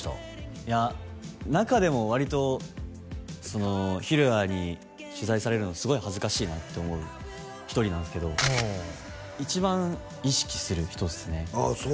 いや中でもわりと尋也に取材されるのすごい恥ずかしいなって思う１人なんですけどああ一番意識する人っすねそう？